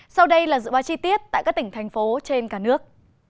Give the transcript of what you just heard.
sau đây là dự báo chi tiết tại các tỉnh thành phố trên cả nước